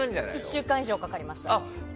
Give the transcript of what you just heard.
１週間以上かかりました。